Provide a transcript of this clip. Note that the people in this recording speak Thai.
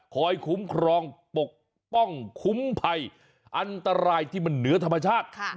คุ้มครองปกป้องคุ้มภัยอันตรายที่มันเหนือธรรมชาติ